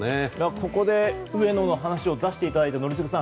ここで上野の話を出していただいた宜嗣さん